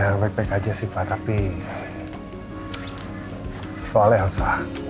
ya baik baik aja sih pak tapi soalnya elsa